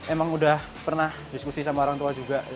emang udah pernah diskusi sama orang tua juga